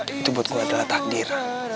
itu buat gue adalah takdir